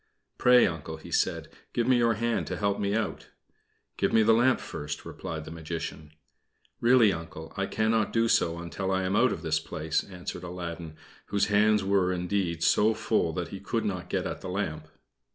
"Pray, Uncle," he said, "give me your hand to help me out." "Give me the lamp first," replied the Magician. "Really, Uncle, I cannot do so until I am out of this place," answered Aladdin, whose hands were, indeed, so full that he could not get at the lamp.